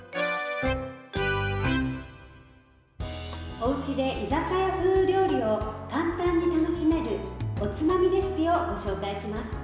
おうちで居酒屋風料理を簡単に楽しめるおつまみレシピをご紹介します。